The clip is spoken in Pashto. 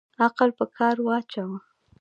عقل په کار واچوه